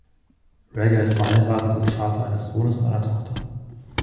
Ragger ist verheiratet und Vater eines Sohnes und einer Tochter.